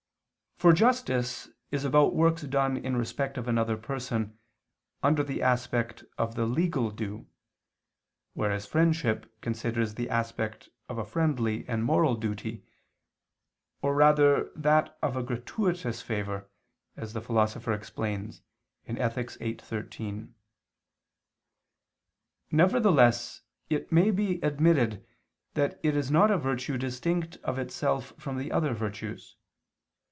For justice is about works done in respect of another person, under the aspect of the legal due, whereas friendship considers the aspect of a friendly and moral duty, or rather that of a gratuitous favor, as the Philosopher explains (Ethic. viii, 13). Nevertheless it may be admitted that it is not a virtue distinct of itself from the other virtues.